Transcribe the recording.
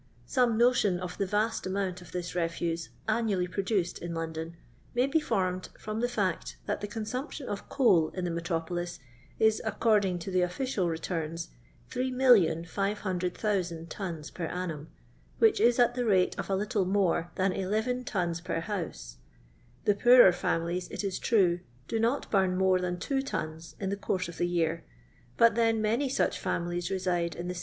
Some notion of the vast amount of thii refuse annually produced in Lon djn may be formed from the fact that the con sumption of cool in the metropolis is, according to the official returns, 3,500,1500 tons per annum, which is at the rate of a little more than 11 tons per hou<c ; the poorer fiuniiies, it is tnie, do not bum more than 2 tons in the course of the year, but then nuny such families reside in tltc s.'